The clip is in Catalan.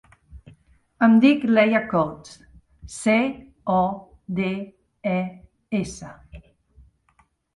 Em dic Leia Codes: ce, o, de, e, essa.